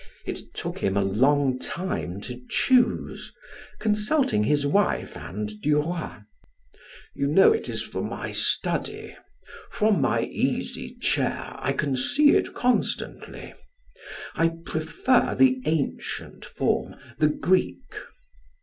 It took him a long time to choose, consulting his wife and Duroy: "You know it is for my study. From my easy chair I can see it constantly. I prefer the ancient form the Greek."